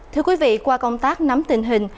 thưa quý vị qua công tác nắm tình hình